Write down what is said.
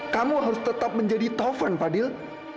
kamila bisa menjadi taufan fadil